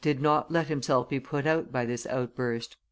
did not let himself be put out by this outburst.